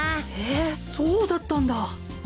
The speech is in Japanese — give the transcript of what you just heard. へぇそうだったんだ。